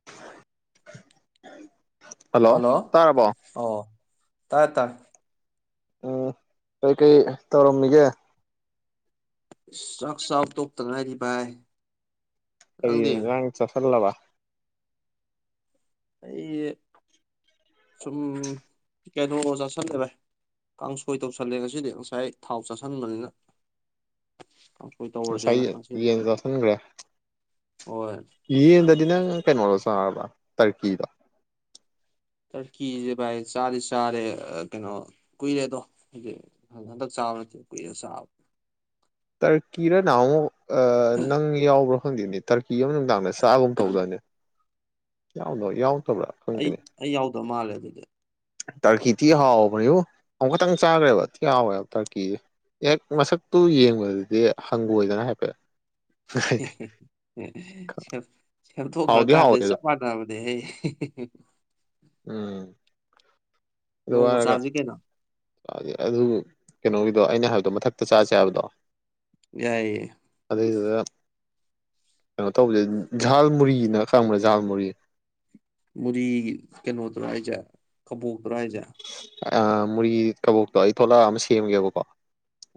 [unintelligible] Hello ꯑꯣ ꯇꯥꯏ ꯇꯥꯏ ꯫ ꯎꯝ ꯀꯩꯀꯩ ꯇꯧꯔꯝꯃꯤꯒꯦ ꯫ ꯆꯥꯛ ꯆꯥꯕ ꯇꯣꯞꯇ ꯉꯥꯏꯔꯤ ꯚꯥꯏ ꯫ ꯀꯔꯤ ꯑꯦꯟꯖꯥꯡ ꯆꯁꯜꯂꯕ ꯫ ꯑꯩꯖꯦ ꯁꯨꯝ ꯀꯩꯅꯣ ꯆꯥꯁꯟꯒ꯭ꯔꯦ ꯫ ꯀꯥꯡꯁꯣꯏ ꯇꯧꯁꯜꯂꯦ ꯉꯁꯤꯗꯤ ꯉꯁꯥꯏ ꯊꯥꯎ ꯆꯥꯥꯁꯟꯕꯅꯤꯅ ꯫ ꯀꯥꯡꯁꯣꯏ ꯇꯧꯔꯖꯦꯅꯥ ꯉꯁꯥꯏ ꯉꯁꯤꯗꯤ ꯌꯦꯟ ꯆꯥꯁꯟꯈ꯭ꯔꯦ ꯍꯣꯏ ꯫ ꯌꯦꯟꯗꯗꯤ ꯅꯪ ꯀꯩꯅꯣꯗꯣ ꯆꯥꯔꯕ ꯇꯔꯀꯤꯗꯣ ꯫ ꯇꯔꯀꯤꯖꯦ ꯚꯥꯏ ꯆꯥꯗꯤ ꯆꯥꯔꯦ ꯑꯥ ꯀꯩꯅꯣ ꯀꯨꯏꯔꯦ ꯑꯗꯣ ꯍꯗꯤ ꯍꯟꯗꯛ ꯆꯥꯕ ꯅꯠꯇꯦ ꯀꯨꯏꯔꯦ ꯆꯥꯕ ꯫ ꯇꯔꯀꯤꯔ ꯅꯥ ꯃꯨꯛ ꯑꯥ ꯅꯪ ꯌꯥꯎꯕ꯭ꯔꯥ ꯈꯪꯗꯦꯅꯦ ꯫ ꯇꯔꯀꯤ ꯑꯃ ꯅꯨꯡꯗꯥꯡꯗ ꯆꯥꯒꯨꯝ ꯇꯧꯗꯥꯏꯅꯦ ꯌꯥꯎꯗ꯭ꯔꯣ ꯌꯥꯎꯛꯇꯕ꯭ꯔꯥ ꯫ ꯑꯩ ꯑꯩ ꯌꯥꯎꯗꯕ ꯃꯥꯜꯂꯦ ꯑꯗꯨꯗꯤ ꯫ ꯇꯔꯀꯤ ꯊꯤ ꯍꯥꯎꯕꯅꯦꯕꯨ ꯑꯃꯨꯈꯇꯪ ꯆꯥꯒ꯭ꯔꯦꯕ ꯊꯤ ꯍꯥꯎꯋꯦꯕ ꯇꯔꯀꯤꯖꯦ ꯫ ꯍꯦꯛ ꯃꯁꯛꯇꯨ ꯌꯦꯡꯕꯗꯗꯤ ꯍꯪꯒꯣꯏꯗꯅ ꯍꯥꯏꯐꯦꯠ ꯫ ꯁꯦꯝ ꯍꯥꯎꯗꯤ ꯁꯦꯝꯊꯣꯛꯈ꯭ꯔꯀꯥꯟꯗ ꯍꯥꯎꯋꯦ ꯑꯗꯣ ꯆꯞ ꯃꯥꯟꯅꯕꯟ ꯗꯦꯍ‌ꯦ ꯎꯝ ꯫ ꯑꯗꯨ ꯅꯣꯡꯃ ꯍꯥꯏꯔꯒ ꯆꯥꯁꯤ ꯀꯩꯅꯣ ꯍꯧꯖꯤꯛ ꯑꯗꯨ ꯀꯩꯅꯣꯒꯤꯗꯣ ꯑꯩꯅ ꯍꯥꯏꯕꯗꯣ ꯃꯊꯛꯇ ꯆꯥꯁꯦ ꯍꯥꯏꯕꯗꯣ ꯫ ꯌꯥꯏꯌꯦ ꯫ ꯑꯗꯩꯗꯨꯗ ꯀꯩꯅꯣ ꯇꯧꯕꯖꯦ ꯖ꯭ꯍꯥꯜ ꯃꯨꯔꯤꯅ ꯈꯪꯕ꯭ꯔꯥ ꯖꯥꯜ ꯃꯨꯔꯤ ꯫ ꯃꯨꯔꯤ ꯀꯩꯅꯣꯗꯨꯔ ꯍꯥꯏꯖꯦ ꯀꯕꯣꯛꯇꯨꯔꫭ ꯍꯥꯏꯖꯦ ꯫ ꯑꯥ ꯃꯨꯔꯤ ꯀꯕꯣꯛꯇꯣ ꯑꯩ ꯇꯣꯜꯂꯛꯑ ꯑꯃ ꯁꯦꯝꯒꯦꯕꯀꯣ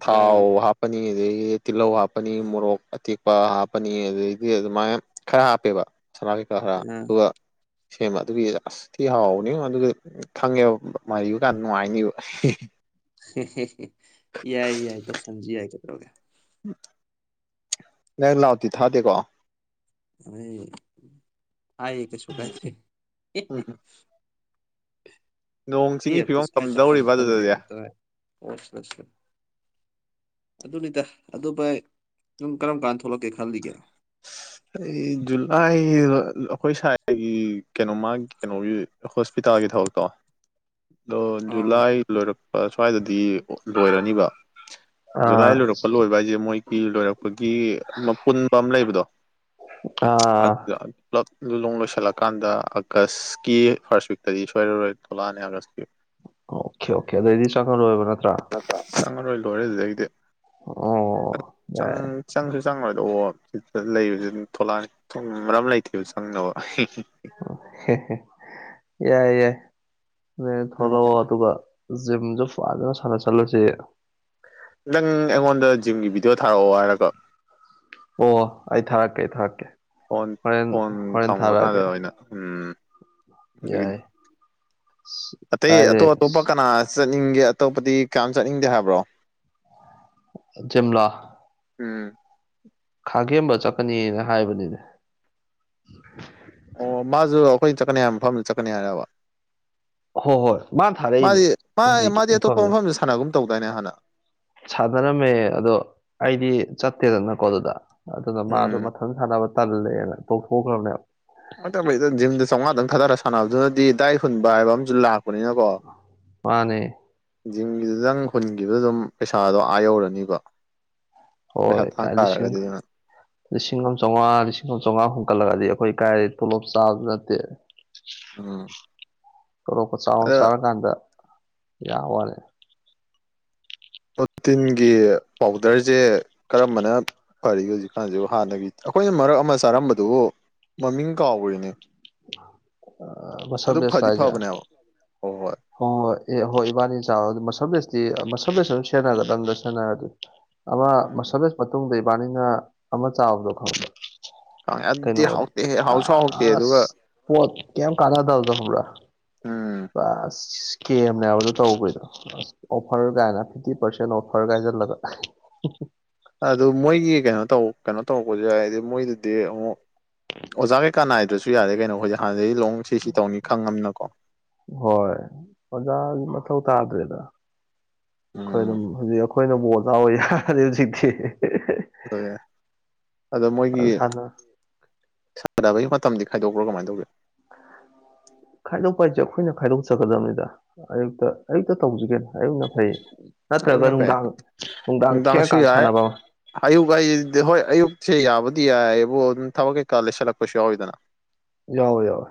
ꯊꯥꯎ ꯑꯥ ꯍꯥꯞ ꯄꯅꯤ ꯑꯗꯒꯤꯗꯤ ꯇꯤꯜꯂꯧ ꯍꯥꯞꯄꯅꯤ ꯃꯣꯔꯣꯛ ꯑꯇꯦꯛꯄ ꯍꯥꯞꯄꯅꯤ ꯑꯗꯨꯗꯩꯗꯤ ꯑꯗꯨꯃꯥꯏꯅ ꯈꯔ ꯍꯥꯞꯄꯦꯕ ꯁꯂꯥꯒꯤ [unintelligible] ꯈꯔ ꯈꯔ ꯑꯥ ꯑꯗꯨꯒ ꯁꯦꯝꯕ ꯑꯗꯨꯒꯤ ꯑꯁ ꯊꯤ ꯍꯥꯎꯕꯅꯤ ꯉꯣ ꯑꯗꯨꯗꯤ ꯈꯪꯉꯦꯕ ꯫ ꯃꯔꯤꯕ ꯀꯥꯟꯗ ꯅꯨꯡꯉꯥꯏꯅꯤꯕ ꯫ ꯌꯥꯏ ꯌꯥꯏ ꯇꯧꯁꯟꯖꯤ ꯌꯥꯏ ꯀꯩꯗꯧꯔꯒꯦ ꯫ [unintelligible] ꯅꯪ ꯂꯥꯋꯎꯇꯤ ꯊꯥꯗꯦꯀꯣ ꯫ [unintelligible] ꯊꯥꯏꯌꯦ ꯀꯩꯁꯨ ꯀꯥꯏ ꯗꯦ ꯫ ꯍꯣꯏ ꯍꯣꯏ [unintelligible] ꯅꯣꯡ ꯁꯤ ꯏꯆꯤꯡꯒꯤ ꯐꯤꯕꯝ ꯀꯝꯗꯧꯔꯤꯕ ꯑꯗꯨꯗꯗꯤ ꯑꯆꯥ ꯑꯆꯥ [unintelligible] ꯑꯗꯨꯅꯤꯗ ꯑꯗꯨ ꯚꯥꯏ ꯅꯪ ꯀꯔꯝ ꯀꯥꯟꯗ ꯊꯣꯛꯂꯛꯀꯦ ꯈꯜꯂꯤꯒꯦ ꯎ [unintelligible] ꯑꯩ ꯖꯨꯂꯥꯏ ꯑꯩꯈꯣꯏ ꯁ꯭ꯋꯥꯏꯒꯤ ꯀꯩꯅꯣ ꯃꯥꯒꯤ ꯀꯩꯅꯣꯒꯤ ꯍꯣꯁꯄꯤꯇꯥꯜꯒꯤ ꯊꯕꯛꯇꯣ ꯑꯗꯣ ꯑꯥ ꯖꯨꯂꯥꯏ ꯂꯣꯏꯔꯛꯄ ꯁ꯭ꯋꯥꯏꯗꯗꯤ ꯂꯣꯏꯔꯅꯤꯕ ꯖꯨꯂꯥꯏ ꯑꯥ ꯂꯣꯏꯔꯛꯄ ꯂꯣꯏꯕ ꯍꯥꯏꯁꯦ ꯃꯣꯏꯒꯤ ꯂꯣꯏꯔꯛꯄꯒꯤ ꯃꯄꯨꯟ ꯂꯩꯕꯗꯣ ꯑꯥ ꯄꯨꯂꯞꯂꯣꯡ [unintelligible] ꯂꯣꯏꯁꯤꯜꯂꯀꯥꯟꯗ ꯑꯥꯒꯁꯀꯤ ꯐꯥꯔꯁꯠ ꯋꯤꯛꯇꯗꯤ ꯁꯣꯏꯔꯔꯣꯏ ꯊꯣꯛꯂꯛꯑꯅꯤ ꯑꯥꯁꯀꯤ ꯑꯣꯀꯦ ꯑꯣꯀꯦ ꯑꯗꯨꯗꯩꯗꯤ ꯆꯠꯂꯔꫭꯏꯕ ꯅꯠꯇ꯭ꯔꯥ ꯆꯪꯉꯔꯣꯏ ꯂꯣꯏꯔꯦ ꯑꯗꯨꯗꯒꯤꯗꯤ ꯑꯣ ꯌꯥꯏ ꯆꯪꯁꯨ ꯆꯪꯉꯣꯏꯗꯑꯣ [unintelligible] ꯁꯤꯗ ꯂꯩꯕꯁꯤ ꯑꯗꯨꯝ ꯊꯣꯛꯂꯛꯑꯅꯤ ꯊ [unintelligible] ꯃꯔꯝꯂꯩꯇ‌ꯦꯕ ꯆꯪꯅꯕ ꯑꯦꯏ ꯌꯥꯏ ꯊꯂ ꯍꯥ ꯇꯀ [unintelligible] ꯖꯤꯝꯖꯨ ꯐꯖꯅꯥ ꯁꯅꯥ ꯁꯜꯂꯨꯁꯦ ꯅꯪ ꯑꯩꯉꯣꯟꯗ ꯖꯤꯝꯒꯤ ꯚꯤꯗꯤꯑꯣ ꯊꯥꯔꯛꯑꯣ ꯍꯥꯏꯔꯒꯥ ꯑꯣ ꯑꯩ ꯊꯥꯔꯛꯀꯦ ꯑꯩ ꯊꯥꯔꯛꯀꯦ ꯐꯣꯟ ꯍꯣꯔꯦꯟ ꯐꯣꯟ ꯍꯣꯔꯦꯟ ꯊꯝꯈꯔꯀꯥꯟꯗ ꯊꯥꯔꯛꯑꯒꯦ ꯑꯣꯏꯅ ꯎꯝ ꯌꯥꯏ ꯑꯇꯩ ꯀꯥꯏꯗꯩ ꯑꯇꯣꯞ ꯑꯇꯣꯞꯄ ꯑꯁ ꯀꯟꯅ ꯆꯠꯅꯤꯡꯒꯦ ꯑꯇꯣꯞꯄꯗꯤ ꯀꯅꯥꯝ ꯆꯠꯅꯤꯡꯗꯦ ꯍꯥꯏꯕ꯭ꯔꯣ ꯖꯤꯝꯂꫭ ꯎꯝ ꯈꯥꯒꯦꯝꯕ ꯆꯠꯀꯅꯤꯅ ꯍꯥꯏꯕꯅꯤꯅꯦ ꯑꯣ ꯃꯥꯁꯨ ꯑꯩꯈꯣꯏꯅ ꯆꯠꯀꯅꯤ ꯍꯥꯏꯕ ꯃꯐꯝꯗꯨ ꯆꯠꯀꯅꯤ ꯍꯥꯏꯔꯕ ꯍꯣꯏ ꯍꯣꯏ ꯃꯥꯅ ꯊꯥꯔꯛꯏꯅꯦ ꯃꯥꯗꯤ ꯃꯥ ꯍꯧꯖꯤꯛꯀꯤ ꯃꯥꯗꯤ ꯑꯇꯣꯞꯄ ꯃꯐꯝꯗ ꯃꯐꯝꯁꯤ ꯁꯥꯟꯅꯒꯨꯝ ꯇꯧꯗꯏꯅꯦ ꯍꯥꯟꯅ ꯁꯥꯟꯅꯔꯝꯃꯦ ꯑꯗꯣ ꯑꯩꯗꯤ ꯆꯠꯇꯦꯗꯅꯀꯣ ꯑꯗꯨꯗ ꯑꯗꯨꯅ ꯃꯥꯗꯣ ꯎꯝ ꯃꯊꯪ ꯁꯥꯟꯅꯕ ꯇꯜꯂꯦꯅ ꯇꯧꯊꯣꯛꯈ꯭ꯔꯕꯅꯦꯕ ꯑꯗ [unintelligible] ꯖꯤꯝꯗ ꯆꯥꯝꯃꯉꯥꯗꯪ ꯈꯊꯔ ꯁꯥꯟꯅꯕꯗꯨꯅꯗꯤ ꯗꯥꯏ ꯍꯨꯟꯕ ꯍꯥꯏꯕ ꯑꯃꯁꯨ ꯂꯥꯛꯄ ꯄꯨꯅꯤꯅ ꯀꯣ ꯃꯥꯅꯦ ꯖꯝꯤꯒꯤꯗꯨꯗꯪ ꯍꯨꯟꯈꯤꯕꯗ ꯑꯗꯨꯝ ꯄꯩꯁꯥꯗꯣ ꯑꯥ ꯌꯧꯔꯅꯤꯕ ꯄꯩꯁꯥ ꯍꯣꯏ ꯊꯥꯡ ꯀꯥꯏ ꯂꯤꯁꯤꯡ ꯇꯥꯔꯒꯗꯤ ꯑꯗꯨꯅ ꯂꯤꯁꯤꯡ ꯑꯃ ꯆꯥꯝꯃꯉꯥ ꯂꯤꯁꯤꯡ ꯑꯃ ꯆꯥꯝꯃꯉꯥ ꯍꯨꯝꯟꯀꯠꯂꯒꯗꯤ ꯑꯩꯈꯣꯏ ꯀꯥꯏ ꯇꯣꯂꯣꯞ ꯆꯥꯕꯁꯨ ꯅꯠꯇꯦ ꯎꯝ ꯀꯔꯣꯞꯀ ꯆꯥꯎꯅ ꯑꯗ ꯆꯥꯔꯀꯥꯟꯗ ꯌꯥꯕ ꯋꯥꯅꯤ ꯄ꯭ꯔꯣꯇꯤꯟꯒꯤ ꯄꯥꯎꯗꯔꯁꯦ ꯀꯔꯝꯕꯅ ꯐꯔꯤ ꯍꯧꯖꯤꯛꯀꯥꯟꯁꯤ ꯍꯥꯟꯅꯒꯤ ꯑꯩꯈꯣꯏꯅ ꯃꯔꯛ ꯑꯃ ꯆꯥꯔꯝꯕꯗꯨꯕꯨ ꯃꯃꯤꯡ ꯀꯥꯎꯈꯔꯤꯅꯦ ꯃꯁꯜ ꯑꯗꯨ ꯕꯦꯁ ꯐꯗꯤ ꯍꯥꯏꯁꯦ ꯐꯕꯅꯦꯕ ꯍꯣꯏ ꯍꯣꯏ ꯍꯣꯏ ꯍꯣꯏ ꯑꯦ ꯍꯣꯏ ꯏꯕꯥꯅꯤ ꯆꯥꯎꯥꯛꯣ ꯑꯗꯨ ꯃꯁꯜ ꯦꯁꯇꯤ ꯃꯁꯜ ꯔꯦꯁ ꯑꯗꯨꯝ ꯁꯦꯟꯅꯔꯒ ꯅ ꯑꯝꯗ ꯁꯥꯟꯟꯅꯅꯔ ꯑꯗꯨꯗꯤ ꯑꯃ ꯎꯝ ꯃꯁꯂꯦꯁ ꯃꯇꯨꯡꯗ ꯏꯕꯥꯅꯤꯅ ꯑꯃ ꯆꯥꯎꯥꯕꯗꯣ ꯈꯪꯕ ꯈꯪꯉꯦ ꯑꯗꯨꯗꯤ ꯀꯩꯅꯅ ꯍꯥꯎꯇꯦ ꯑ ꯍꯥꯎꯁꯨ ꯍꯥꯎꯇꯦ ꯑ ꯑꯗꯨꯒ ꯄꯣ ꯀꯌꯥꯝ ꯀꯥꯗꯥꯗꯗ ꯍꯂꯁ ꯎꯝ ꯏꯁ ꯀꯦꯝꯅꯦꯕꯗꯣ ꯇꯧꯕꯣꯏꯗꯣ ꯑꯣꯐꯔ ꯀꯥꯏꯅ ꯐꯤꯐꯇꯤ ꯄꯔꯁꯦꯟ ꯑꯣꯐꯔ ꯀꯥꯏꯁꯤꯠꯂꯒ ꯑꯗꯨ ꯃꯣꯏꯒꯤ ꯀꯩꯅꯣ ꯇꯧ ꯀꯩꯅꯣ ꯇꯧꯔꯛꯄꯁꯨ ꯍꯥꯏꯗꯤ ꯃꯣꯏꯗꯨꯗꯤ ꯑꯃꯨꯛ ꯑꯣꯖꯥ ꯀꯩꯀꯥ ꯅꯥꯏꯗ꯭ꯔꯁꯨ ꯌꯥꯔꯦ ꯀꯩꯅꯣ ꯑꯩꯈꯣꯏꯛ ꯍꯥꯟꯅꯗꯩ ꯂꯣꯡ ꯁꯤ ꯁꯤ ꯇꯧꯅꯤ ꯈꯪꯉꯝꯅꯀꯣ ꯍꯣꯏ ꯑꯣꯖꯥꯒꯤ ꯃꯊꯧ ꯇꯥꯗ꯭ꯔꯦꯗ ꯑꯩꯈꯣꯏ ꯎꯝ ꯑꯗꯨꯝ ꯍꯧꯖꯤꯛ ꯑꯩꯈꯣꯏꯅ ꯕꯣ ꯆꯥꯎꯕ ꯌꯥꯔꯔꯦ ꯍꯧꯖꯤꯛꯇꯤ ꯑꯣꯏ ꯑꯗꯣ ꯃꯣꯏꯒꯤ ꯐꯖꯅ ꯁꯥꯟꯅ ꯁꯥꯟꯅꯕꯒꯤ ꯃꯇꯝꯗꯤ ꯈꯥꯏꯗꯣꯛꯄ꯭ꯔꯣ ꯀꯃꯥꯏꯅ ꯇꯧꯒꯦ ꯈꯥꯏꯗꯣꯛꯄ ꯍꯥꯏꯁꯦ ꯑꯩꯈꯣꯏꯅ ꯈꯥꯏꯗꯣꯛꯆꯒꯗꯕꯅꯤꯗ ꯑꯌꯨꯛꯇ ꯑꯌꯨꯛꯇ ꯇꯧꯁꯤꯒꯦꯅ ꯑꯌꯨꯛꯅ ꯐꯩ ꯅꯠꯇ꯭ꯔꯒ ꯑꯌꯨꯛꯅ ꯐꯩ ꯅꯨꯡꯗꯥꯡ ꯅꯨꯡꯗꯥꯡ ꯅꯨꯡꯗꯥꯡꯁꯨ ꯊꯦꯛꯑꯀꯥꯟ ꯌꯥꯏ ꯁꯥꯟꯅꯕ ꯑꯃ ꯑꯌꯨꯛ ꯍꯥꯏꯁꯤꯗꯤ ꯍꯣꯏ ꯑꯌꯨꯛꯁꯦ ꯌꯥꯕꯗꯤ ꯌꯥꯏꯕꯨ ꯑꯗꯨꯝ ꯊꯕꯛ ꯀꯩꯀꯥ ꯂꯩꯁꯜꯂꯛꯄꯁꯨ ꯌꯥꯎꯋꯤꯗꯅ ꯌꯥꯎꯋꯦ ꯌꯥꯎꯋꯦ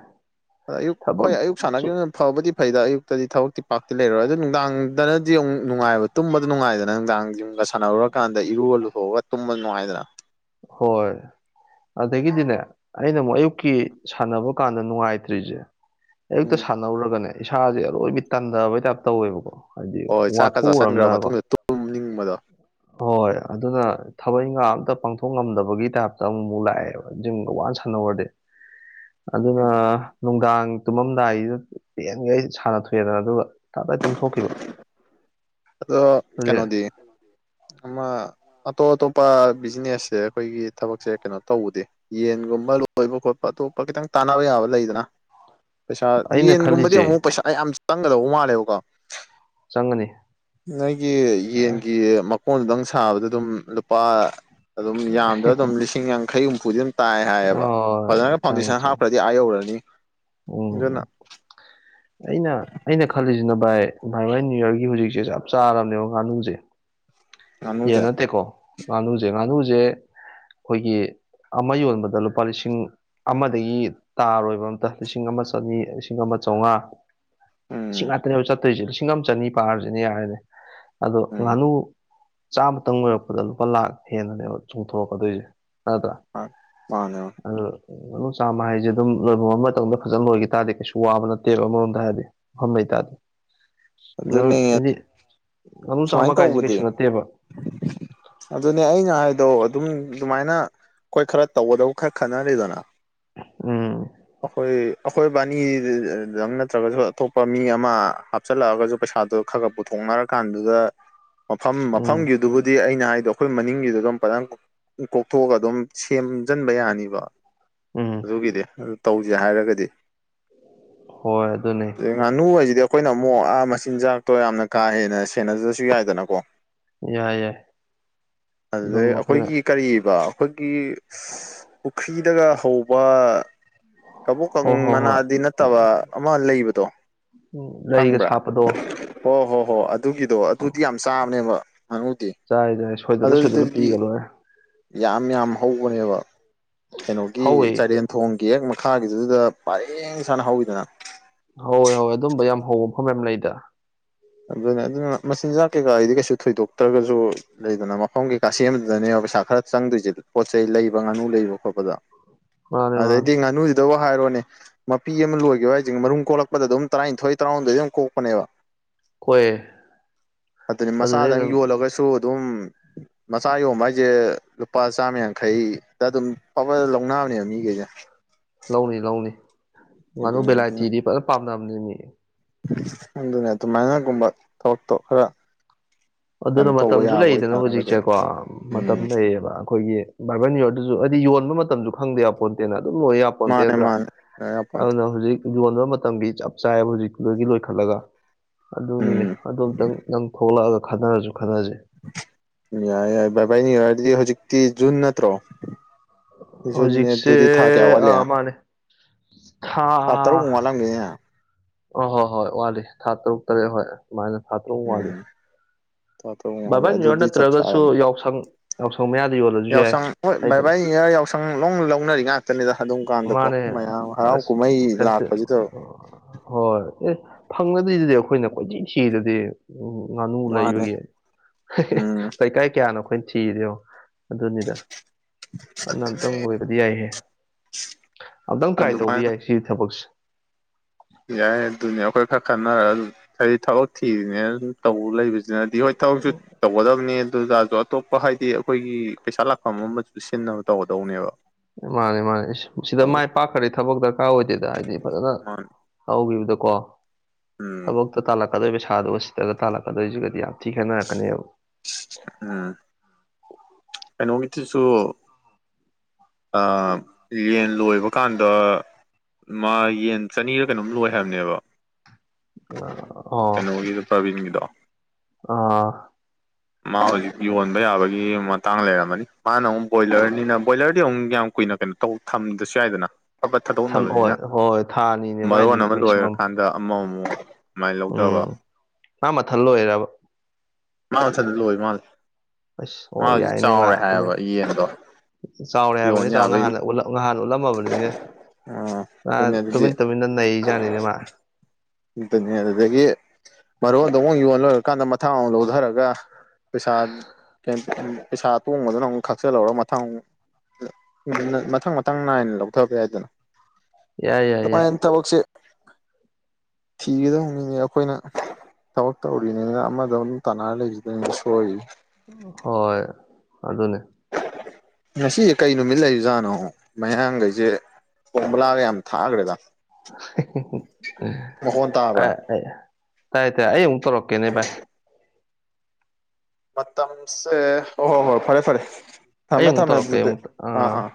ꯑ ꯑꯌꯨꯛ ꯍꯣꯏ ꯑꯌꯨꯛ ꯊꯕꯛꯁꯨ ꯁꯥꯟꯅꯈꯤꯕ ꯑꯗꯨꯝ ꯐꯕꯨꯗꯤ ꯐꯩꯗ ꯑꯌꯨꯛꯇꯗꯤ ꯊꯕꯛꯇꯤ ꯄꯥꯛꯇꯤ ꯂꯩꯔꯣꯏ ꯑꯗꯨꯗꯣ ꯅꯨꯡꯗꯥꯡꯗꯅꯗꯤꯉ ꯅꯨꯡꯉꯥꯏꯕ ꯇꯨꯝꯕꯗ ꯅꯨꯡꯉꯥꯏꯗꯅ ꯅꯨꯡꯗꯥꯡ ꯌꯨꯝꯒ ꯁꯥꯟꯅꯔꯨꯔꯀꯥꯟꯗ ꯏꯔꯨ ꯂꯨꯊꯣꯛꯑꯒ ꯇꯨꯝꯕ ꯅꯨꯡꯉꯥꯏꯗꯅ ꯍꯣꯏ ꯑꯗꯒꯤꯗꯤꯅꯦ ꯑꯩꯅ ꯑꯃꯨꯛ ꯑꯌꯨꯛꯀꯤ ꯁꯥꯟꯅꯕ ꯀꯥꯟꯗ ꯅꯨꯡꯉꯥꯏꯇ꯭ꯔꯤꯁꯦ ꯑꯌꯨꯛꯇ ꯎꯝ ꯁꯥꯟꯅꯧꯔꯒꯅꯦ ꯏꯁꯥꯁꯦ ꯂꯔꯣꯏꯕꯤ ꯇꯟꯊꯕꯩ ꯇꯥꯏꯞ ꯇꯧꯋꯦꯕꯀꯣ ꯍꯥꯏꯗꯤ ꯍꯣꯏ ꯆꯥꯛꯀ ꯆꯥꯁꯟꯈ꯭ꯔ ꯋꯥꯊꯣꯛꯎꯔꯝꯅꯕ ꯃꯇꯨꯡꯗ ꯇꯨꯝꯅꯤꯡꯕꯗꯣ ꯍꯣꯏ ꯑꯗꯨꯅ ꯊꯕꯛ ꯏꯪꯈꯥꯡ ꯑꯝꯇ ꯄꯥꯡꯊꯣꯛ ꯉꯝꯗꯕꯒꯤ ꯇꯥꯏꯞꯇ ꯑꯃꯃꯨꯛ ꯂꯥꯛꯑꯦꯕ ꯖꯤꯝꯒ ꯋꯥꯟ ꯁꯥꯟꯋꯥꯔꯗꯤ ꯑꯗꯨꯅ ꯎꯝ ꯅꯨꯡꯗꯥꯡ ꯇꯨꯝꯃꯝꯗꯥꯏꯁꯤꯗ ꯄꯦꯟꯉꯦ ꯑꯩ ꯁꯥꯟꯅ ꯊꯣꯛꯣꯏꯑꯗꯅ ꯑꯗꯨꯒ ꯇꯞ ꯇ ꯇꯨꯝꯊꯣꯛꯈꯤꯕ ꯑꯗꯣ ꯑꯗꯨꯗꯤ ꯀꯩꯅꯣꯗꯤ ꯑꯃꯃ ꯑꯇꯣꯞ ꯑꯇꯣꯞꯄ ꯕꯤꯖꯤꯅꯦꯁꯁꯦ ꯑꯩꯈꯣꯏꯒꯤ ꯊꯕꯛꯁꯦ ꯀꯩꯅꯣ ꯇꯧꯕꯗꯤ ꯌꯦꯟꯒꯨꯝꯕ ꯂꯣꯏꯕ ꯈꯣꯠꯄ ꯑꯇꯣꯞꯄ ꯈꯤꯇꯪ ꯇꯥꯟꯅꯕ ꯌꯥꯕ ꯂꯩꯗꯅ ꯄꯩꯁꯥ ꯑꯩꯅ ꯌꯦꯟꯒꯨꯝꯕꯗꯤ ꯈꯜꯂꯤꯁꯦ ꯑꯃꯨꯛ ꯄꯩꯁꯥ ꯌꯥꯝ ꯆꯪꯒꯗꯧꯕ ꯃꯥꯜꯂꯦꯕꯀꯣ ꯆꯪꯒꯅꯤ ꯅꯪꯒꯤ ꯌꯦꯟꯒꯤ ꯃꯀꯣꯟꯗꯨꯗꯪ ꯁꯥꯕꯗ ꯑꯗꯨꯝ ꯂꯨꯄꯥ ꯑꯗꯨꯝ ꯌꯥꯝꯗ꯭ꯔ ꯑꯗꯨꯝ ꯂꯤꯁꯤꯡ ꯌꯥꯡꯈꯩ ꯍꯨꯝꯐꯨꯗꯤ ꯑꯗꯨꯝ ꯇꯥꯏ ꯍꯥꯏꯌꯦꯕ ꯍꯣꯏ ꯐꯖꯅ ꯐꯥꯎꯟꯗꯦꯁꯟ ꯍꯥꯞꯈ꯭ꯔꯗꯤ ꯑꯥ ꯌꯧꯔꯅꯤ ꯑꯗꯨꯅ ꯑꯣꯝ ꯑꯩꯅ ꯑꯩꯅ ꯈꯜꯂꯤꯁꯤꯅ ꯚꯥꯏ ꯏꯟꯚꯥꯏꯃ ꯅꯅꯤꯌꯨ ꯌꯔꯒꯤ ꯍꯧꯖꯤꯛꯁꯦ ꯆꯞ ꯆꯥꯔꯕꯅꯦꯕ ꯉꯥꯅꯨꯁꯦ ꯌꯦꯟ ꯉꯥꯅꯨꯁꯦ ꯅꯠꯇꯦꯀꯣ ꯉꯥꯅꯨꯁꯦ ꯉꯥꯅꯨꯁꯦ ꯑꯩꯈꯣꯏꯒꯤ ꯑꯃ ꯌꯣꯟꯕꯗ ꯂꯨꯄꯥ ꯂꯤꯁꯤꯡ ꯑꯃꯗꯒꯤ ꯇꯥꯔꯣꯏꯕ ꯑꯝꯇ ꯂꯤꯁꯤꯡ ꯑꯃ ꯆꯅꯤ ꯂꯤꯁꯤꯡ ꯑꯃ ꯆꯥꯝꯃꯉꯥ ꯂꯤꯁꯤꯡ ꯎꯝ ꯉꯥꯛꯇꯅꯦꯕ ꯆꯠꯇꯣꯏꯁꯦ ꯂꯤꯁꯤꯡ ꯑꯃ ꯆꯅꯤ ꯄꯥꯔꯁꯤꯅꯦ ꯌꯥꯔꯦꯅꯦ ꯑꯗꯣ ꯎꯝ ꯉꯥꯅꯨ ꯆꯥꯃꯇꯪ ꯂ ꯑꯣꯏꯔꯛꯄꯗ ꯂꯨꯄꯥ ꯂꯥꯛ ꯍꯦꯟꯅꯅꯦꯕ ꯆꯣꯡꯊꯣꯔꯛꯀꯗꯣꯏꯁꯦ ꯅꯠꯇ꯭ꯔꯥ ꯍ ꯃꯥꯅꯦ ꯑꯗꯨ ꯑꯗꯨꯝ ꯆꯥꯃ ꯍꯥꯏꯁꯦ ꯑꯗꯨꯝ ꯂꯣꯏꯐꯝ ꯃꯇꯝꯗ ꯐꯖꯅ ꯂꯣꯏꯈꯤ ꯇꯥꯔꯗꯤ ꯀꯩꯁꯨ ꯋꯥꯕ ꯅꯠꯇꯦꯕ ꯑꯃꯔꯣꯝꯗ ꯍꯥꯏꯗꯤ ꯐꯝꯃꯩꯇꯥꯥꯗ ꯑꯗꯨꯅꯦ ꯍꯥꯏꯗꯤ ꯑꯨ ꯆꯥꯃ ꯁꯨꯃꯥꯏꯅ ꯀꯥꯏꯁꯦ ꯇꯧꯕꯗꯤ ꯀꯩꯁꯨ ꯅꯠꯇꯦꯕ ꯑꯗꯨꯅꯦ ꯑꯩꯅ ꯍꯥꯏꯗꯣ ꯑꯣ ꯑꯗꯨꯝ ꯑꯗꯨꯃꯥꯏꯅ ꯑꯩꯈꯣꯏ ꯈꯔ ꯇꯧꯒꯗꯕ ꯈꯔ ꯈꯟꯅꯔꯤꯗꯅ ꯎꯝ ꯑꯩꯈꯣꯏ ꯑꯩꯈꯣꯏ ꯕꯥꯅꯤꯗꯪ ꯅꯠꯇ꯭ꯔꯒꯁꯨ ꯑꯇꯣꯞꯄ ꯃꯤ ꯑꯃ ꯀꯞꯆꯜꯂꯛꯑꯒꯁꯨ ꯄꯩꯁꯥꯗꯣ ꯈꯔ ꯈ ꯄꯨꯊꯣꯛꯅꯔ ꯀꯥꯟꯗꯨꯗ ꯃꯐꯝ ꯎꯝ ꯃꯐꯝꯒꯤ ꯑꯗꯨꯕꯨꯗꯤ ꯑꯩꯅ ꯍꯥꯏꯗꯣ ꯑꯩꯈꯣꯏ ꯃꯅꯤꯡꯒꯤꯗꯨꯗ ꯑꯗꯨꯝ ꯄꯪ ꯀꯣꯛꯊꯣꯛꯑꯒ ꯑꯗꯨꯝ ꯁꯦꯝꯖꯤꯟꯕ ꯌꯥꯅꯤꯕ ꯎꯝ ꯑꯗꯨꯒꯤꯗꯤ ꯑꯗꯨ ꯇꯧꯁꯦ ꯍꯥꯏꯔꯒꯗꯤ ꯍꯣꯏ ꯑꯗꯨꯅꯦ ꯑꯗꯩ ꯉꯥꯅꯨ ꯍꯥꯏꯁꯤꯗꯤ ꯑꯩꯈꯣꯏꯅ ꯑꯃꯨꯛ ꯑ ꯃꯆꯤꯟꯖꯥꯛꯇꯣ ꯌꯥꯝꯅ ꯀꯥ ꯍꯦꯟꯅ ꯁꯦꯟꯅꯖꯁꯨ ꯌꯥꯏꯗꯅꯀꯣ ꯌꯥꯏ ꯌꯥꯏ ꯑꯗꯨꯝ ꯑꯗꯨꯗꯩ ꯑꯩꯈꯣꯏꯅ ꯑꯩꯈꯣꯏꯒꯤ ꯀꯔꯤꯕꯔꯤꯕ ꯑꯩꯈꯣꯏꯒꯤ ꯄꯨꯈ꯭ꯔꯤꯗꯒ ꯍꯧꯕ ꯀꯕꯣꯛꯀꯪ ꯍꯣꯏ ꯍꯣꯏ ꯍꯣꯏ ꯃꯅꯥꯗꯤ ꯅꯠꯇꯕ ꯑꯃ ꯂꯩꯕꯗꯣ ꯂꯩꯒ ꯈꯪꯕ꯭ꯔꯥ ꯁꯥꯞꯄꯗꯣ ꯑꯣ ꯍꯣ ꯍꯣ ꯑꯗꯨꯒꯤꯗꯣ ꯑꯗꯨꯗꯤ ꯌꯥꯝ ꯆꯥꯕꯅꯦꯕ ꯉꯉꯨꯗꯤ ꯆꯥꯏ ꯆꯥꯏ ꯁꯣꯏꯗꯅ ꯁꯣꯏꯗꯅ ꯑꯗꯨꯗꯤ ꯄꯤꯒ ꯂꯣꯏꯔꯦ ꯌꯥꯝ ꯌꯥꯝ ꯍꯧꯕꯅꯦꯕ ꯀꯩꯅꯣꯒꯤ ꯍꯧꯋꯤ ꯆꯔꯦꯟ ꯊꯣꯡꯒꯤ ꯍꯦꯛ ꯃꯈꯥꯒꯤꯗꯨꯗꯨꯗ ꯄꯔꯦꯡ ꯁꯥꯅ ꯍꯧꯋꯤꯗꯅ ꯍꯣꯏ ꯍꯣꯏ ꯑꯗꯨꯝꯕ ꯌꯥꯝ ꯍꯧꯕ ꯃꯐꯝ ꯌꯥꯝ ꯂꯩꯗ ꯑꯗꯨꯅꯦ ꯑꯗꯨꯅ ꯃꯆꯤꯟꯖꯥꯛ ꯀꯩꯀꯥ ꯑꯩꯗꯤ ꯀꯩꯁꯨ ꯊꯣꯏꯗꯣꯛꯇ꯭ꯔꯒꯁꯨ ꯂꯩꯗꯅ ꯃꯐꯝꯒꯤ ꯀꯥꯥꯁꯦꯝꯗꯨꯗꯅꯦꯕ ꯄꯩꯁꯥ ꯈꯔ ꯆꯪꯗꯣꯏꯁꯦ ꯄꯣꯠ ꯆꯩ ꯂꯩꯕ ꯉꯥꯅꯨ ꯂꯩꯕ ꯈꯣꯠꯄꯗ ꯃꯥꯅꯦ ꯃꯥꯅꯦ ꯑꯗꯥꯏꯗꯤꯅ ꯑꯗꯨꯕꯨ ꯍꯥꯏꯔꯣꯅꯦ ꯃꯄꯤ ꯑꯃ ꯂꯣꯏꯈꯤꯕ ꯍꯥꯏꯁꯤꯦ ꯃꯔꯨꯝ ꯀꯣꯛꯂꯛꯄꯗ ꯑꯗꯨꯝ ꯇꯔꯥꯅꯤꯊꯣꯏ ꯇꯔꯥꯍꯨꯝꯗꯣꯏ ꯑꯗꯨꯝ ꯀꯣꯛꯄꯅꯦꯕ ꯍꯣꯏ ꯑꯗꯨꯅꯤ ꯑꯗꯨꯗꯩ ꯃꯆꯥꯗꯪ ꯅꯪ ꯌꯣꯜꯂꯒꯁꯨ ꯑꯗꯨꯝ ꯃꯆꯥ ꯌꯣꯟꯕ ꯍꯥꯏꯁꯦ ꯂꯨꯄꯥ ꯆꯥꯝꯃ ꯌꯥꯡꯈꯩꯗ ꯑꯗꯨꯝ ꯐꯕ ꯂꯧꯅꯕꯅꯦꯕ ꯃꯤꯈꯩꯁꯦ ꯂꯧꯅꯤ ꯂꯧꯅꯤ ꯃꯥꯅ ꯑꯗꯨꯅ ꯚꯦꯂꯥꯏꯇꯤꯗꯤ ꯐꯖꯅ ꯄꯥꯝꯅꯕꯅꯤ ꯃꯤ ꯑꯗꯨꯅ ꯑꯗꯨꯃꯥꯏꯅꯒꯨꯝꯕ ꯊꯕꯛꯇꯣ ꯈꯔ ꯑꯗꯨꯅ ꯀꯩꯅꯣ ꯇꯧꯕ ꯃꯇꯝꯁꯨ ꯌꯥꯕ ꯂꯩꯗꯅ ꯑꯣꯏꯇꯥꯔꯒꯗꯤ ꯍꯧꯖꯤꯛꯁꯦꯀꯣ ꯃꯇꯝ ꯎꯝ ꯂꯩꯌꯦꯕ ꯑꯩꯈꯣꯏꯒꯤ ꯕꯥꯏꯕꯟ ꯌꯔ ꯑꯗꯨꯁꯨ ꯍꯥꯏꯗꯤ ꯌꯣꯟꯕ ꯃꯇꯝꯁꯨ ꯈꯪꯗꯦꯕ ꯄꯣꯠꯇꯦꯅ ꯑꯗꯨꯝ ꯂꯣꯏ ꯃꯥꯅꯦ ꯃꯥꯅꯦ ꯌꯥꯄꯣꯟꯇꯦ ꯄꯇꯦꯟ꯭ꯔꯅ ꯍꯧꯖꯤꯛ ꯌꯣꯟꯕ ꯃꯇꯝꯒꯤ ꯆꯞ ꯆꯥꯏꯕ ꯍꯧꯖꯤꯛꯇꯨꯗꯒꯤ ꯂꯣꯏꯈꯠꯂꯒ ꯑꯗꯨꯅꯤꯅꯦ ꯎꯝ ꯑꯗꯣ ꯑꯃꯨꯛꯇꯪ ꯅꯪ ꯊꯣꯛꯂꯛꯑꯒ ꯈꯟꯅꯔꯁꯨ ꯈꯟꯅꯁꯤ ꯌꯥꯔ ꯌꯥꯏ ꯚꯕꯥꯏꯅꯤ ꯌꯥꯔꯗꯤ ꯍꯧꯖꯤꯛꯇꯤ ꯖꯨꯟ ꯅꯠꯇ꯭ꯔꯣ ꯖꯨꯟꯅꯦ ꯍꯧꯖꯤꯛꯁꯦ ꯑꯗꯨꯗꯤ ꯊꯥ ꯀꯌꯥ ꯑ ꯋꯥꯠꯂꯤ ꯊꯥ ꯃꯥꯅꯦ ꯑꯥ ꯇꯔꯨꯛꯃꯨꯛ ꯋꯥꯠꯂꯝꯒꯤꯅꯤꯅꯦ ꯑ ꯍꯣ ꯍꯣꯏ ꯋꯥꯠꯂꯤ ꯊꯥ ꯇꯔꯨꯛ ꯇꯔꯦꯠ ꯍꯣꯏ ꯑꯗꯨꯨꯃꯥꯏꯅ ꯊꯥ ꯇꯔꯨꯛ ꯋꯥꯠꯂꯤ ꯂꯦ ꯕꯥꯔꯕꯟ ꯌꯣꯔ ꯑꯗꯨꯗꯤ ꯆꯞ ꯆꯥꯔꯝꯃꯦ ꯅꯠꯇ꯭ꯔꯒꯁꯨ ꯌꯥꯎꯁꯪ ꯌꯥꯎꯁꯪ ꯃꯌꯥꯗ ꯌꯣꯜꯂꯁꯨ ꯌꯥꯏ ꯌꯥꯎꯁꯪ ꯍꯣꯏ ꯂꯩꯗꯅ ꯚꯥꯏꯚ ꯌꯥꯎꯁꯪ ꯁꯪ ꯂ ꯂꯧ ꯂꯧꯅꯔꯤ ꯉꯥꯛꯇꯅꯤꯗ ꯑꯗꯨꯝ ꯀꯥꯟꯗꯀꯣ ꯃꯥꯅꯦ ꯃꯌꯥꯝ ꯍꯔꯥꯎ ꯑꯁ ꯀꯨꯝꯍꯩ ꯐꯦꯁꯇꯤ ꯂꯥꯛꯄꯁꯤꯗ ꯍꯣꯏ ꯑꯦ ꯐꯪꯒꯗ꯭ꯔꯤꯗꯨꯗꯤ ꯑꯩꯈꯣꯏꯅ ꯀꯣꯏꯊꯤꯡꯁꯤꯗꯗꯤ ꯎꯝ ꯉꯥꯅꯨ ꯃꯥꯅꯦ ꯂꯩꯕꯒꯤ ꯎꯝ ꯀꯩꯀꯥꯏ ꯀꯌꯥꯅꯣ ꯑꯩꯈꯣꯏꯅ ꯊꯤꯗꯣ ꯑꯗꯨꯅꯤꯗ ꯅꯅ ꯑꯝꯇꯪ ꯂꯣꯏꯕꯗꯤ ꯌꯥꯏꯍꯦ ꯑꯝꯛꯇꯪ ꯇ꯭ꯔꯥꯏ ꯇꯧꯕ ꯑꯗꯨꯃꯥꯏ ꯌꯥꯏ ꯁꯤꯒꯤ ꯊꯕꯛꯁꯦ ꯌꯥꯏ ꯑꯗꯨꯅꯦ ꯑꯩꯈꯣꯏ ꯈꯔ ꯈꯟꯅꯔꯒ ꯍꯥꯏꯔꯤ ꯊꯕꯛ ꯊꯤꯔꯤꯅꯦ ꯑꯗꯨ ꯇꯧꯕ ꯂꯩꯁꯦ ꯑꯗꯨꯗꯤ ꯍꯣꯏ ꯊꯕꯛꯁꯨ ꯇꯧꯒꯗꯕꯅꯦ ꯑꯗꯨꯖꯁꯨ ꯑꯇꯣꯞꯄ ꯍꯥꯏꯗꯤ ꯑꯩꯈꯣꯏꯒꯤ ꯄꯩꯁꯥ ꯂꯥꯛꯐꯝ ꯑꯃꯨ ꯁꯤꯟꯅꯕ ꯇꯧꯒꯗꯧꯅꯦꯕ ꯃꯥꯅꯤ ꯃꯥꯅꯤ ꯁꯤꯗ ꯊꯕꯛ ꯃꯥꯏ ꯄꯥꯛꯈꯔꯦ ꯊꯕꯛ ꯗꯔꯀꯥꯔ ꯑꯣꯏꯗꯦꯗ ꯍꯥꯏꯗꯤ ꯐꯖꯅ ꯃꯥꯅꯦ ꯇꯈꯤꯕꯗꯀꯣ ꯎꯝ ꯊꯕ ꯇ ꯇꯥꯜꯂꯀꯗꯩ ꯁꯥꯥꯒ ꯁꯤꯗꯒ ꯇꯥꯜꯂꯛꯀꯗꯣꯏꯁꯤꯒꯗꯤ ꯌꯥꯝ ꯊꯤ ꯈꯦꯠꯅꯔꯛꯀꯅꯦꯕ ꯎꯝ ꯀꯩꯅꯣꯒꯤꯗꯨꯁꯨ ꯌꯦꯟ ꯂꯣꯏꯕ ꯀꯥꯟꯗ ꯃꯥ ꯌꯦꯟ ꯆꯅꯤꯔ ꯀꯩꯅꯣꯝ ꯂꯣꯏ ꯍꯥꯏꯕꯅꯦꯕ ꯑꯣ ꯁꯕꯤꯟꯒꯤꯗꯣ ꯑ ꯃꯥ ꯍꯧꯖꯤꯛ ꯌꯣꯟꯕ ꯌꯥꯕꯒꯤ ꯃꯇꯥꯡ ꯂꯩꯔꯝꯃꯅꯤ ꯃꯥꯅ ꯑꯃꯨꯛ ꯕꯣꯏꯂꯔꯅꯤꯅ ꯕꯣꯏꯂꯔꯗꯤ ꯑꯃꯨꯛ ꯌꯥꯝ ꯀꯨꯏꯅ ꯀꯩꯅꯣ ꯊꯝꯗ꯭ꯔꯁꯨ ꯌꯥꯏꯗꯅ ꯑꯕꯠ ꯊꯝ ꯊꯥꯗꯣꯛꯅꯕꯅꯤꯅ ꯍꯣꯏ ꯍꯣꯏ ꯊꯥ ꯑꯅꯤꯅꯦ ꯃꯥꯏꯗꯤ ꯃꯔꯣꯟ ꯑꯃ ꯃꯦꯛꯁꯤꯃꯝ ꯂꯣꯏꯔꯀꯥꯟꯗ ꯑꯃ ꯑꯃꯨꯛ ꯁꯨꯃꯥꯏꯅ ꯂꯧꯊꯕ ꯎꯝ ꯃꯥ ꯃꯊꯜ ꯂꯣꯏꯔꯕ ꯃꯥ ꯃꯊꯗ ꯂꯣꯏ ꯃꯥꯁꯦ ꯑꯁ ꯑꯣ ꯃꯥꯁꯨ ꯌꯥꯏꯅꯦ ꯃꯥ ꯆꯥꯎꯔꯦ ꯇꯨꯃꯤꯟ ꯍꯥꯏꯌꯦꯕ ꯌꯦꯟꯗꯣ ꯆꯥꯎꯔꯦ ꯍꯥꯏꯕꯅꯤ ꯌꯣꯟ ꯌꯥꯕꯩ ꯆꯥꯎꯍꯥꯟꯅ ꯉꯍꯥꯟ ꯎꯠꯂꯝꯃꯕꯅꯤꯅꯦ ꯑ ꯇꯨꯃꯤꯟ ꯇꯨꯃꯤꯟꯅ ꯅꯖꯥꯠꯅꯤꯅꯦ ꯃꯥ ꯑꯇꯅꯤ ꯑꯗꯨꯗꯒꯤ ꯃꯔꯣꯟꯗ ꯑꯃꯨꯛ ꯌꯣ ꯂꯣꯏꯔꯀꯥꯟꯗ ꯃꯊꯥ ꯑꯃꯨꯛ ꯂꯧꯊꯔꯒ ꯄꯩꯁꯥ ꯄꯩꯁꯥ ꯇꯣꯡꯕꯗꯨꯅ ꯑꯃꯨꯛ ꯈꯥꯛꯆꯜꯍꯧꯔꯒ ꯃꯊꯪ ꯃꯊꯪ ꯃꯊꯪ ꯅꯥꯏꯅ ꯂꯧꯊꯒꯦ ꯍꯥꯏꯗꯅ ꯌꯥꯏ ꯌꯥꯏ ꯌꯥꯏ ꯊꯕꯛꯁꯦ ꯊꯤꯒꯗꯧꯅꯤꯅꯦ ꯑꯩꯈꯣꯏꯅ ꯊꯕꯛ ꯇꯧꯔꯤꯅꯤꯅ ꯑꯃꯗ ꯇꯅꯥ ꯂꯩꯗꯁꯨꯣꯏ ꯍꯣꯏ ꯑꯗꯨꯅꯦ ꯉꯁꯤ ꯀꯩ ꯅꯨꯃꯤꯠ ꯂꯩꯔꯤꯖꯥꯠꯅꯣ ꯃꯌꯥꯡꯈꯩꯁꯦ ꯕꯂꯒꯦ ꯌꯥꯝ ꯊꯥꯒꯦꯗ ꯇꯥꯕ꯭ꯔꯥ ꯇꯥꯏ ꯇꯥꯏꯦ ꯑꯩ ꯑꯃꯨꯛ ꯇꯧꯔꯛꯀꯦꯅꯦ ꯚꯥꯏ ꯃꯇꯝꯁꯦ ꯍꯣꯏ ꯍꯣꯏ ꯍꯣꯏ ꯐꯔꯦ ꯐꯔꯦ ꯑꯩ ꯊꯝꯃꯦ ꯑꯃꯨꯛ ꯊꯝꯃꯦ ꯇꯧꯔꯛꯀꯦ ꯑꯗꯨꯗꯤ ꯑꯃꯨꯛ ꯑꯥ ꯑꯥ